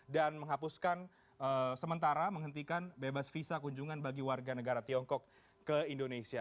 menghapuskan sementara menghentikan bebas visa kunjungan bagi warga negara tiongkok ke indonesia